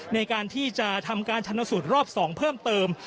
ในการที่จะทำการชนสูตรรอบ๒เพิ่มเติม